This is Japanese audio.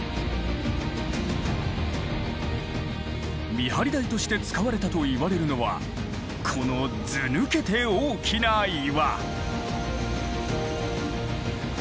見張り台として使われたといわれるのはこのずぬけて大きな岩。